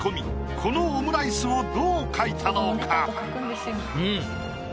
このオムライスをどう描いたのか？